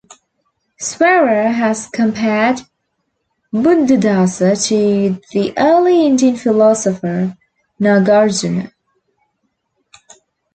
Swearer has compared Buddhadasa to the early Indian philosopher Nagarjuna.